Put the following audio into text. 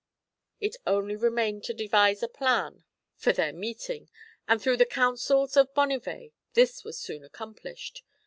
It only remained to devise a plan for their II. K 146 THE HEPrAMERON. meeting, and through the counsels of Bonnivet this was soon accomplished.